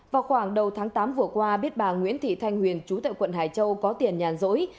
vào khoảng đầu tháng tám vừa qua biết bà nguyễn thị thanh huyền chú tại quận hải châu có tiền nhàn rỗi